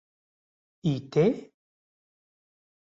I té...?